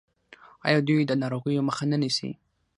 آیا دوی د ناروغیو مخه نه نیسي؟